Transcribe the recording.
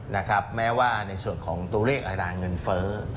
นะครับแม้ว่าในส่วนของตัวเลขอัตราเงินเฟ้อ